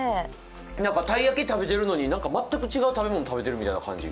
たい焼き食べてるのに、全く違う食べ物食べてるみたいな感じ